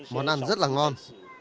món ăn rất là ngon